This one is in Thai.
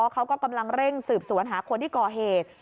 เขาก็กำลังเร่งสืบสวนหาคนที่ก่อเหตุ